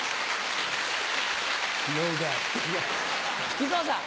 木久扇さん。